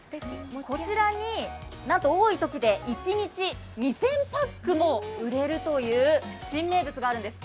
こちらに多いときで、なんと一日２０００パックも売れるという新名物があるんです。